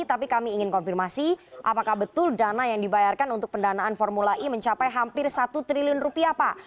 tapi kami ingin konfirmasi apakah betul dana yang dibayarkan untuk pendanaan formula e mencapai satu triliun rupiah pak